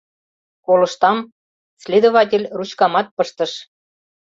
— Колыштам... — следователь ручкамат пыштыш.